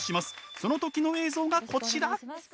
その時の映像がこちら。